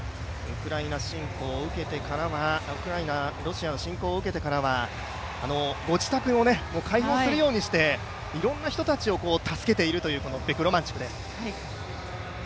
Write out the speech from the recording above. ウクライナロシアの侵攻を受けてからはご自宅を開放するようにしていろんな人を助けているというこのベクロマンチュクです。